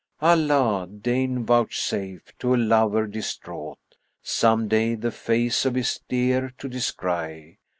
Allah deign vouchsafe to a lover distraught * Someday the face of his dear to descry!